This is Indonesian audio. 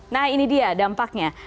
nah ini dia dampaknya